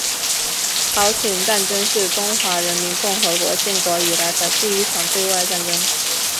朝鲜战争是中华人民共和国建国以来的第一场对外战争。